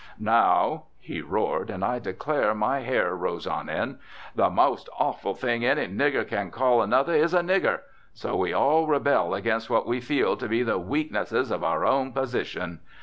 Now," he roared (and I declare, my hair rose on end), "the most awful thing any nigger can call another is a 'nigger.' So we all rebel against what we feel to be the weaknesses of our own position.